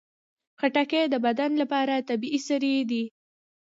خټکی د بدن لپاره طبیعي سري دي.